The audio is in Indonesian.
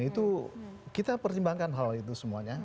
itu kita pertimbangkan hal itu semuanya